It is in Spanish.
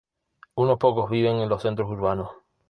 Unos pocos viven en los centros urbanos.